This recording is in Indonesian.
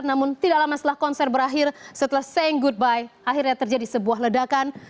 namun tidak lama setelah konser berakhir setelah sang goodby akhirnya terjadi sebuah ledakan